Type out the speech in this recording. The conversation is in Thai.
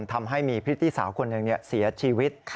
ทำให้มีพริตตี้สาวคนหนึ่งเสียชีวิต